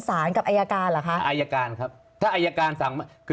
อายการครับ